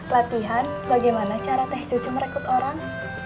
latihan bagaimana cara teh cucu merekrut orang